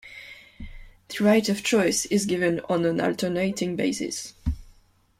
The right of choice is given on an alternating basis.